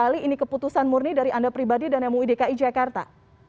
kali ini keputusan murni dari anda pribadi dan mui dki jakarta